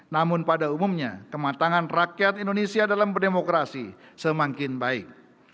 namun pada umumnya kematangan rakyat indonesia dalam berdemokrasi semakin baik